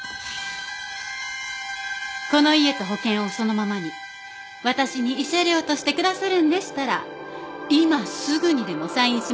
この家と保険をそのままに私に慰謝料としてくださるんでしたら今すぐにでもサインしますけど。